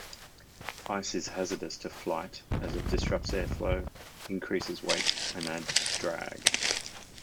Ice is hazardous to flight as it disrupts airflow, increases weight, and adds drag.